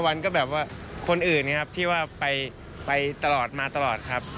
วันก็แบบว่าคนอื่นนะครับที่ว่าไปตลอดมาตลอดครับ